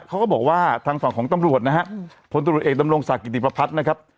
เขาก็บอกว่าทางฝั่งของตำรวจนะฮะอืมผลตรวจเอกตำรงศาสตร์กิจประพัดนะครับ